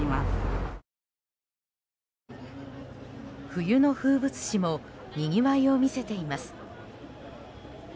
冬の風物詩もにぎわいを見せています。